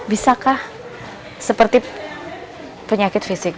bisakah seperti penyakit fisik